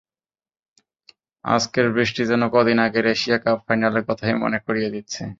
আজকের বৃষ্টি যেন কদিন আগের এশিয়া কাপ ফাইনালের কথাই মনে করিয়ে দিচ্ছে।